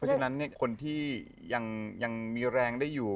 เพราะฉะนั้นเนี่ยคนที่ยังมีแรงได้อยู่